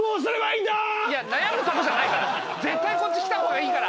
いや悩むとこじゃないから絶対こっち来たほうがいいから。